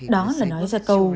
đó là nói ra câu